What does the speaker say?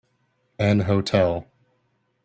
An hotel.